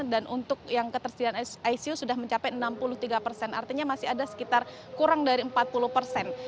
dan untuk yang ketersediaan icu sudah mencapai enam puluh tiga persen artinya masih ada sekitar kurang dari empat puluh persen